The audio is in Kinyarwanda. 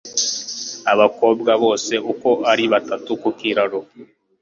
Abakobwa bose uko ari batatu ku kiraro